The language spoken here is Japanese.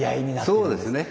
そうですね。